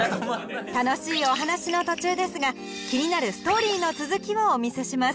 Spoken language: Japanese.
楽しいお話の途中ですが気になるストーリーの続きをお見せします